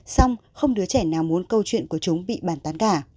xong không đứa trẻ nào muốn câu chuyện của chúng bị bàn tán cả